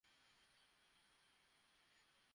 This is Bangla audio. সে সঠিক বলেছে।